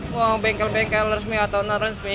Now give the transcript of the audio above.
kalau bengkel bengkel resmi atau non resmi